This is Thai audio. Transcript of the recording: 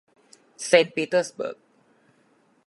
เซนต์ปีเตอร์สเบิร์ก